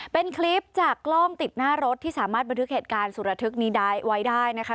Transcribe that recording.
เป็นคลิปจากกล้องติดหน้ารถที่สามารถบันทึกเหตุการณ์สุดระทึกนี้ได้ไว้ได้นะคะ